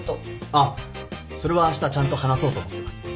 あっそれはあしたちゃんと話そうと思ってます。